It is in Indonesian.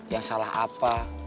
yang salah apa